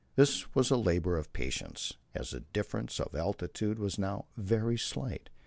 This was a labour of patience, as the difference of altitude was now very slight.